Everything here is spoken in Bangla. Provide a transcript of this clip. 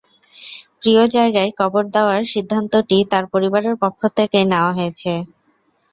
প্রিয় জায়গায় কবর দেওয়ার সিদ্ধান্তটি তার পরিবারের পক্ষ থেকেই নেওয়া হয়েছে।